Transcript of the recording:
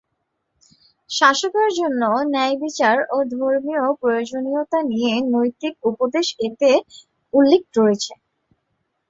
শাসকের জন্য ন্যায়বিচার ও ধর্মীয় প্রয়োজনীয়তা নিয়ে নৈতিক উপদেশ এতে উল্লেখ রয়েছে।